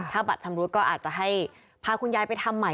ถ้าบัตรชำรุดก็อาจจะให้พาคุณยายไปทำใหม่